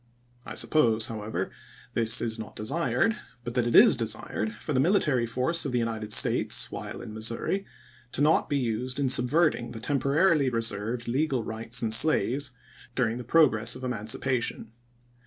I suppose, however, this is not desired, but that it is desired for the military force of the United States, while in Missouri, to not be used in subverting the temporarily reserved legal rights in slaves during the progress of emancipation.